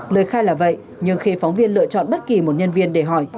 lời khai là vậy nhưng khi phóng viên lựa chọn bất kỳ một nhân viên để hỏi